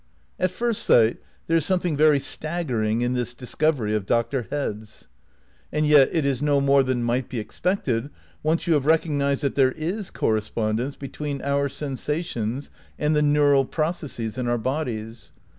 ^ At first sight there is something very staggering in this discovery of Dr. Head's. And yet it is no more than might be expected once you have recognised that there is correspondence between our sensations and the neural processes in our bodies.